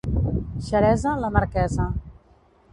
Xeresa, la marquesa.